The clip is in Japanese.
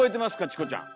チコちゃん。